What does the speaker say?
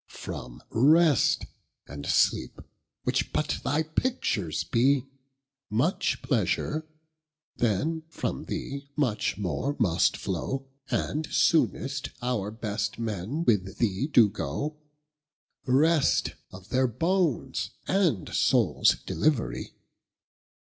From rest and sleepe, which but thy pictures bee, Much pleasure, then from thee, much more must flow, And soonest our best men with thee doe goe, Rest of their bones, and soules deliverie.